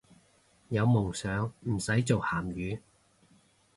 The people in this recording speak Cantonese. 有夢想唔使做鹹魚